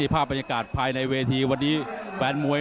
ภารการฟรานไตยวันนี้แผนมวย